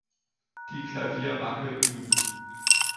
Die Klavier-Marke „Jul.